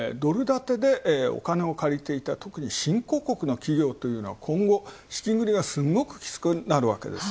ドル建てでお金借りていた、特に新興国の企業というのは今後、資金繰りが、すごくきつくなるわけです。